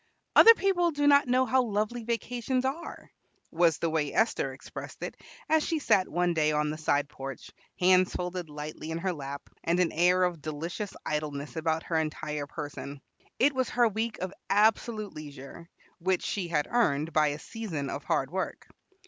"Other people do not know how lovely vacations are," was the way Esther expressed it as she sat one day on the side porch, hands folded lightly in her lap, and an air of delicious idleness about her entire person. It was her week of absolute leisure, which she had earned by a season of hard work.